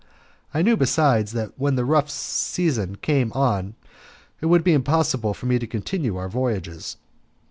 I knew, besides, that when the rough season came on it would be impossible for me by myself to continue our voyages.